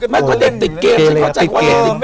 มันก็ติดเกมไม่กลับไปไหนนะ